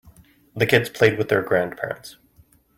The kids played with their grandparents.